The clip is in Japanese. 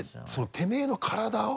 てめぇの体を。